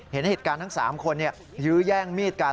เห็นเหตุการณ์ทั้ง๓คนยื้อแย่งมีดกัน